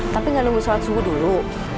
tapi nggak nunggu sholat subuh dulu